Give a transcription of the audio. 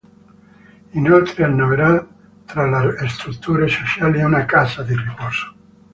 Inoltre annovera tra le strutture sociali una casa di riposo.